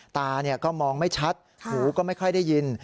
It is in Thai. ตาก็มองไม่ชัดหูก็ไม่ค่อยได้ยิน